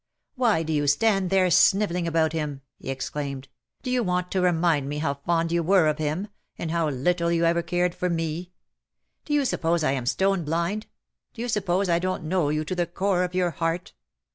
" Why do you stand there snivelling about him/' he exclaimed ;^ do you want to remind me how fond you were of him — and how little you ever cared for me. Do you suppose I am stone blind — do you suppose I don't know you to the core of your heart?"